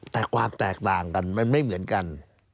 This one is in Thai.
แต่ความแตกต่างกันมันไม่เหมือนกัน